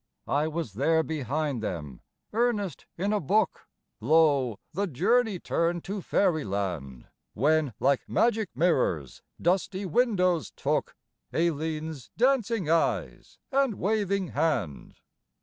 I was there behind them, earnest in a book: Lo, the journey turned to fairyland, When, like magic mirrors, dusty windows took Aileen's dancing eyes and waving hand!